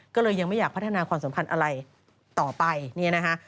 ก็เลยยังไม่อยากพัฒนาความสัมพันธ์อะไรต่อไปเนี่ยนะคะ